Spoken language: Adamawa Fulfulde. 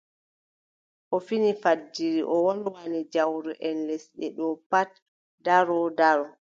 O fini fajiri, o wolwani jawroʼen lesle ɗo kam pat ndaro ndaro.